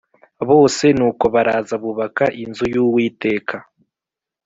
bose nuko baraza bubaka inzu y Uwiteka